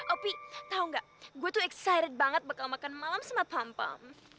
opi tau nggak gua tuh excited banget bakal makan malam sama pompom